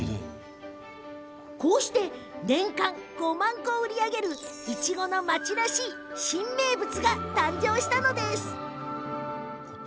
年間５万個を売り上げるいちごの町らしい新名物が誕生したんです。